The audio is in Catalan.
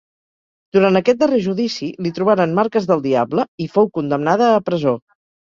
Durant aquest darrer judici li trobaren marques del diable i fou condemnada a presó.